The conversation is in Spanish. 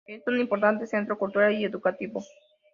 Es un importante centro cultural y educativo.